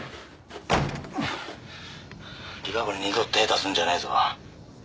利佳子に二度と手出すんじゃねえぞ。